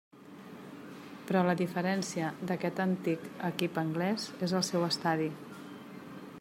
Però la diferència d'aquest antic equip anglès és el seu estadi.